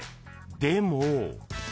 でも］